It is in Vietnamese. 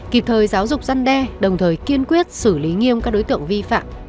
kịp thời giáo dục dân đe đồng thời kiên quyết xử lý nghiêm các đối tượng vi phạm